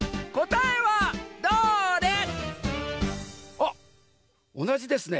あっおなじですね。